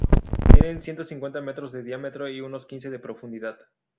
Tiene ciento cincuenta metros de diámetro y unos quince de profundidad.